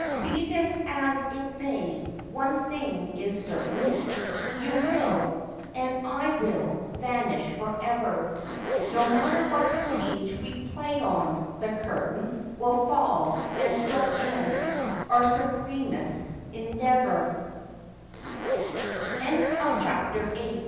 Be this as it may, one thing is certain, You will, and I will, vanish forever; No matter what stage we play on, the curtain Will fall, and so end our supreme